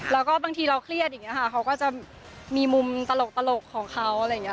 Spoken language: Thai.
แล้วก็บางทีเราเครียดอย่างนี้ค่ะเขาก็จะมีมุมตลกของเขาอะไรอย่างนี้